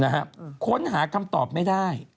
นะครับค้นหาก็ตอบไม่ได้